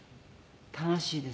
楽しいです。